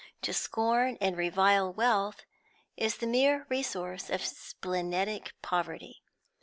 To scorn and revile wealth is the mere resource of splenetic poverty.